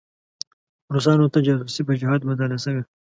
روسانو ته جاسوسي په جهاد بدله شوې.